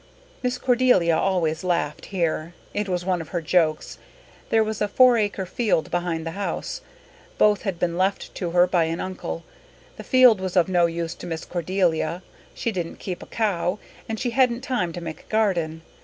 Miss Cordelia always laughed here. It was one of her jokes. There was a four acre field behind the house. Both had been left to her by an uncle. The field was of no use to Miss Cordelia; she didn't keep a cow and she hadn't time to make a garden.